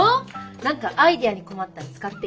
何かアイデアに困ったら使ってよ。